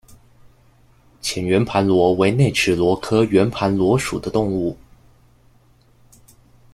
浅圆盘螺为内齿螺科圆盘螺属的动物。